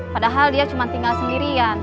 padahal dia cuma tinggal sendirian